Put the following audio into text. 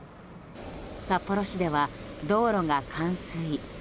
札幌市では道路が冠水。